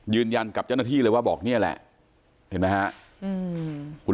ยืนยันกับเจ้าหน้าที่เลยว่าบอกนี่แหละเห็นไหมฮะ